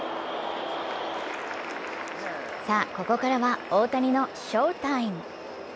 ここからは大谷の翔タイム。